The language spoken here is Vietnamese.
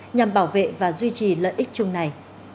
nhằm bảo vệ và duy trì lợi ích chung này